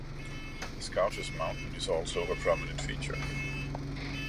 Scouters Mountain is also a prominent feature.